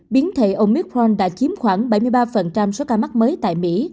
biến thể omithron đã chiếm khoảng bảy mươi ba số ca mắc mới tại mỹ